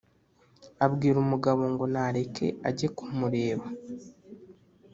abwira umugabo ngo nareke ajye kumureba,